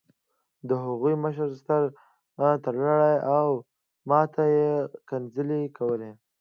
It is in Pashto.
د هغوی مشر سر تړلی و او ماته یې کنځلې وکړې